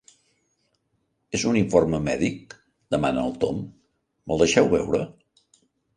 És un informe mèdic? —demana el Tom— Me'l deixeu veure?